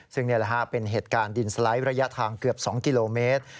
ซึ่งนี่แหละฮะเป็นเหตุการณ์ดินสไลด์ระยะทางเกือบ๒กิโลเมตร